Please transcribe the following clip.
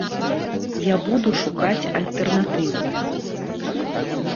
Я буду шукаць альтэрнатыву.